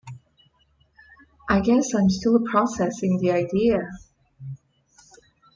I guess I'm still processing the idea.